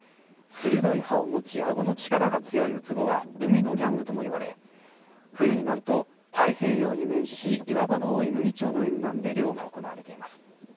鋭い歯を持ちあごの力が強いうつぼは海のギャングともいわれ冬になると太平洋に面し岩場の多い牟岐町の沿岸で漁が行われています。